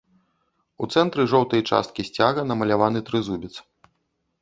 У цэнтры жоўтай часткі сцяга намаляваны трызубец.